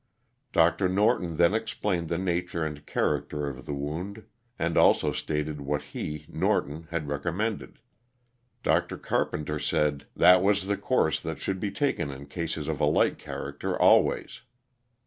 Dr. Norton then explained the nature and character of the wound and also stated what he, Norton, had recommended. Dr. Carpenter said " that was the course that should be taken in cases of a like character always."